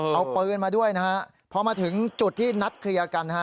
เออเอาปืนมาด้วยนะครับพอมาถึงจุดที่นัดเคลียร์กัน